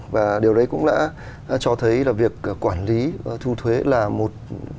và điều đấy cũng đã cho thấy là việc quản lý thu thuế là một